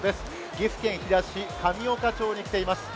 岐阜県飛騨市神岡町に来ています。